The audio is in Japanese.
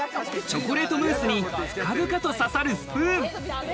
チョコレートムースに深々と刺さるスプーン。